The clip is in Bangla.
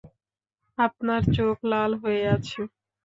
আপনার চোখ লাল হয়ে আছে।